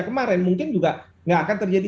kemarin mungkin juga nggak akan terjadi